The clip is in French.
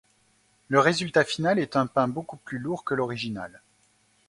Le résultat final est un pain beaucoup plus lourd que l'original.